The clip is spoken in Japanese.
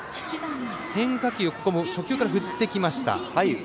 変化球ここも初球から振ってきました。